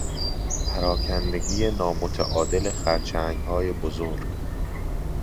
پراکندگی نامتعادل خرچنگهای بزرگ